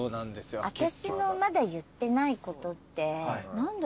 私のまだ言ってないことって何だろう？